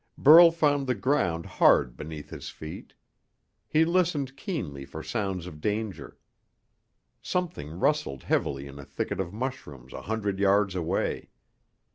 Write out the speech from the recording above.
Burl found the ground hard beneath his feet. He listened keenly for sounds of danger. Something rustled heavily in a thicket of mushrooms a hundred yards away.